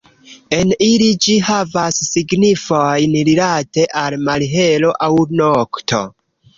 En ili ĝi havas signifojn rilate al malhelo aŭ nokto.